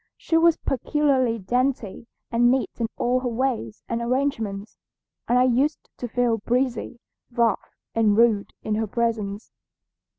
She was peculiarly dainty and neat in all her ways and arrangements, and I used to feel breezy, rough, and rude in her presence.